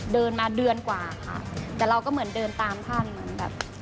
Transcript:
เดินมาเดือนกว่าค่ะแต่เราก็เหมือนเดินตามท่านเหมือนแบบ